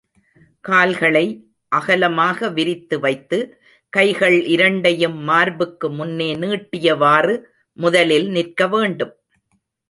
கால்களை அகலமாக விரித்து வைத்து, கைகள் இரண்டையும் மார்புக்கு முன்னே நீட்டியவாறு முதலில் நிற்க வேண்டும்.